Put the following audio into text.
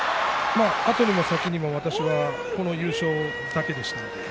後にも先にも私はこの優勝だけでした。